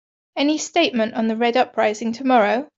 Any statement on the Red uprising tomorrow?